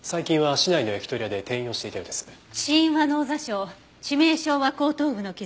死因は脳挫傷致命傷は後頭部の傷。